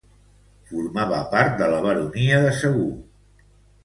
Formava part de la baronia de Segur.